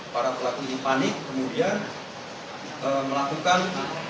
para pelaku ini panik kemudian melakukan